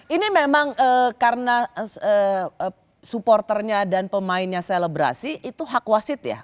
ini memang karena supporternya dan pemainnya selebrasi itu hak wasit ya